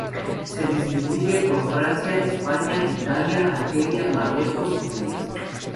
Se distribuye por Francia, España, Italia, Argelia, Marruecos y Túnez.